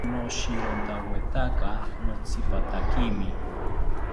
Noshirontawetaka notsipatakimi